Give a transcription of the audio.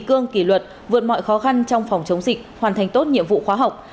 kỷ cương kỷ luật vượt mọi khó khăn trong phòng chống dịch hoàn thành tốt nhiệm vụ khoa học